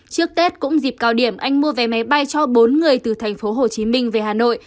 trước tết cũng dịp cao điểm anh mua vé máy bay cho bốn người từ tp hcm về hà nội